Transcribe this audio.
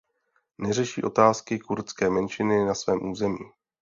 Neřeší otázky kurdské menšiny na svém území.